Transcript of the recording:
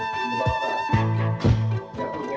terima kasih panggung yang jatuhnya